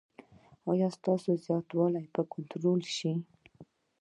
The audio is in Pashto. ایا ستاسو زیاتوالی به کنټرول شي؟